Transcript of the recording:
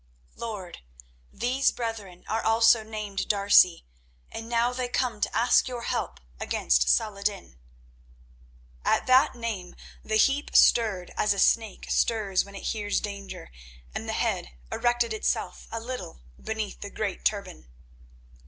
"Lord, these brethren are also named D'Arcy, and now they come to ask your help against Salah ed din." At that name the heap stirred as a snake stirs when it hears danger, and the head erected itself a little beneath the great turban.